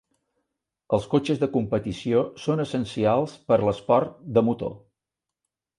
Els cotxes de competició són essencials per a l'esport de motor.